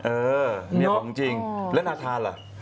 เออนี่ของจริงแล้วน่าทานเหรอ